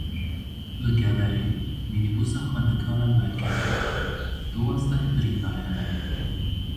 Li Geverê mînîbusa xwendekaran wergeriya, duwazdeh birîndar hene.